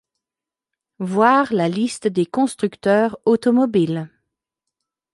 Voir la Liste des constructeurs automobiles.